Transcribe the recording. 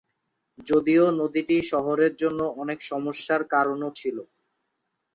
যদিও নদীটি শহরের জন্য অনেক সমস্যার কারণও ছিল।